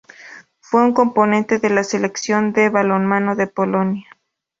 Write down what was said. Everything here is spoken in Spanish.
Fue un componente de la selección de balonmano de Polonia.